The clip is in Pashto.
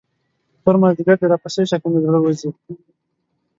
تور مازدیګر دې راپسې شي، که مې له زړه وځې.